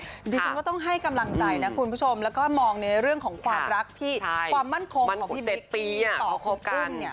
ดิฉันว่าต้องให้กำลังใจนะคุณผู้ชมแล้วก็มองในเรื่องของความรักที่ความมั่นคงของพี่ต่อครบขึ้นเนี่ย